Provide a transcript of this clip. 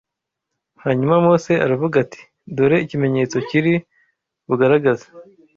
Hanyuma Mose aravuga ati dore ikimenyetso kiri bugaragaze